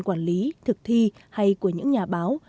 quản lý thực thi hay của những nhà báo